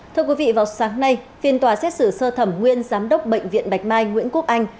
thưa quý vị vào sáng nay phiên tòa xét xử sơ thẩm nguyên giám đốc bệnh viện bạch mai nguyễn quốc anh